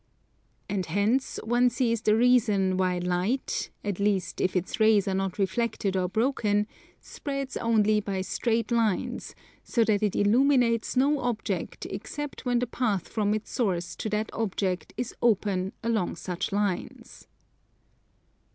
And hence one sees the reason why light, at least if its rays are not reflected or broken, spreads only by straight lines, so that it illuminates no object except when the path from its source to that object is open along such lines.